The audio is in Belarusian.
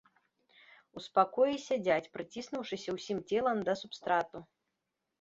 У спакоі сядзяць, прыціснуўшыся ўсім целам да субстрату.